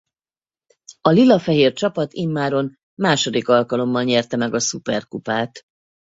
A lila-fehér csapat immáron második alkalommal nyerte meg a szuperkupát.